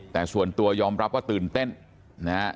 แต่ส่วนตัวยอมรับว่าตื่นเต้นนะฮะ